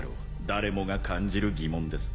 誰もが感じる疑問です。